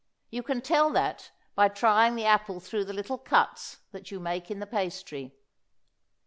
You can tell that by trying the apple through the little cuts that you make in the pastry.